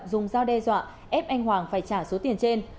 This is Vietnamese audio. dùng dao đe dọa ép anh hoàng phải trả số tiền trên